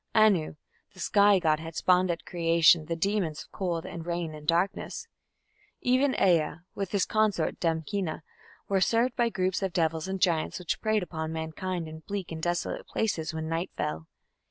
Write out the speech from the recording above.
Anu, the sky god, had "spawned" at creation the demons of cold and rain and darkness. Even Ea and his consort, Damkina, were served by groups of devils and giants, which preyed upon mankind in bleak and desolate places when night fell.